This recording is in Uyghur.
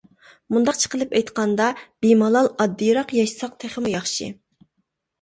مۇنداقچە قىلىپ ئېيتقاندا، بىمالال ئاددىيراق ياشىساق تېخىمۇ ياخشى.